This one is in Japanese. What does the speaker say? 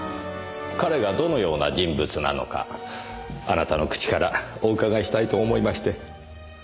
彼がどのような人物なのかあなたの口からお伺いしたいと思いまして。